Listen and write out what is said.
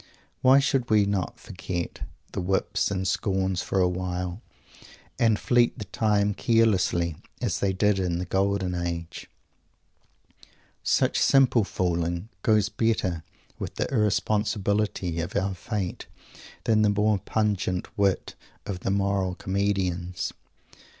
Why should we not forget the whips and scorns for a while, and fleet the time carelessly, "as they did in the golden age?" Such simple fooling goes better with the irresponsibility of our fate than the more pungent wit of the moral comedians.